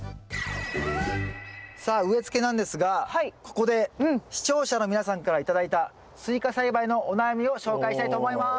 さあ植え付けなんですがここで視聴者の皆さんから頂いたスイカ栽培のお悩みを紹介したいと思います。